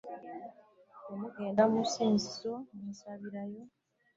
Bwe mugenda mu ssinzizo munsabirayo.